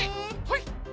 はい！